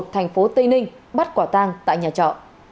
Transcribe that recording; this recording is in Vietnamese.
thành phố tây ninh bắt quả tang tại nhà trọ